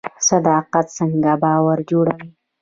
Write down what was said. صداقت څنګه باور جوړوي؟